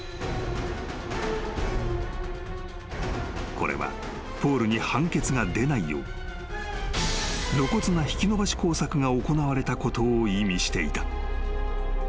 ［これはポールに判決が出ないよう露骨な引き延ばし工作が行われたことを意味していた］